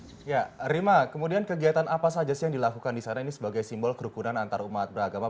nah kemudian kegiatan apa saja sih yang dilakukan di sana ini sebagai simbol kerukunan antar umat beragama